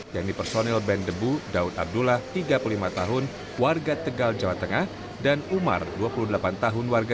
yakni personil band debu daud abdullah tiga puluh lima tahun warga tegal jawa tengah dan umar dua puluh delapan tahun